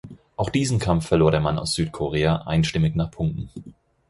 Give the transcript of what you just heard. Auch diesen Kampf verlor der Mann aus Südkorea einstimmig nach Punkten.